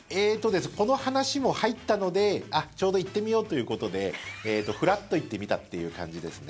この話も入ったのでちょうど行ってみようということでフラッと行ってみたという感じですね。